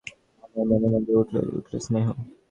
আমার মনের মধ্যে উছলে উঠল স্নেহ।